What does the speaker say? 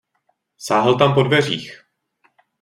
Sáhl tam po dveřích.